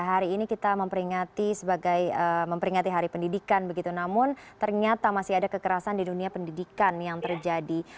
hari ini kita memperingati sebagai memperingati hari pendidikan begitu namun ternyata masih ada kekerasan di dunia pendidikan yang terjadi